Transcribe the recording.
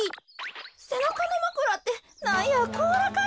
せなかのまくらってなんやこうらかいな。